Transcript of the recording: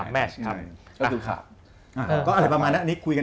แมทตอนที่จอดันไทยเนสซันโดนใบแดง